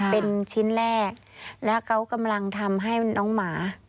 เป็นชิ้นแรกแล้วเขากำลังทำให้น้องหมา